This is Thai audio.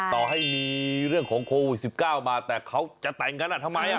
ต่อให้มีเรื่องของโควิด๑๙มาแต่เขาจะแต่งกันทำไม